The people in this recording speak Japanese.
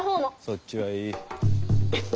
そっちはいいッ。